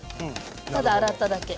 ただ洗っただけ。